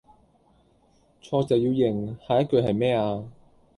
錯就要認，下一句系咩啊?